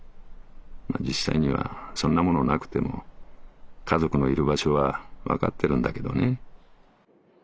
実際にはそんなものなくても家族のいる場所はわかってるんだけどね。